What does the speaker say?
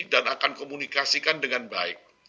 dan akan komunikasikan dengan baik